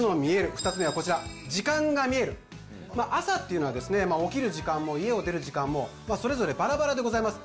２つ目はこちら「時間がみえる」朝というのはですね起きる時間も家を出る時間もバラバラでございます